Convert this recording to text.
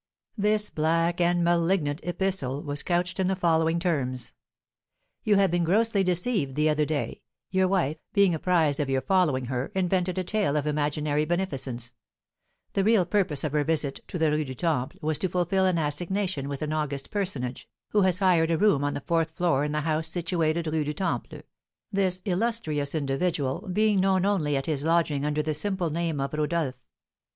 This black and malignant epistle was couched in the following terms: "... You have been grossly deceived the other day; your wife, being apprised of your following her, invented a tale of imaginary beneficence; the real purpose of her visit to the Rue du Temple was to fulfil an assignation with an august personage, who has hired a room on the fourth floor in the house situated Rue du Temple, this illustrious individual being known only at his lodging under the simple name of Rodolph.